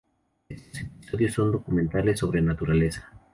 Estos episodios son documentales sobre naturaleza.